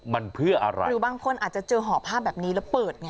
มันเพื่ออะไรหรือบางคนอาจจะเจอห่อผ้าแบบนี้แล้วเปิดไง